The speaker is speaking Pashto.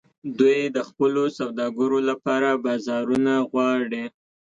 دوی د خپلو سوداګرو لپاره بازارونه غواړي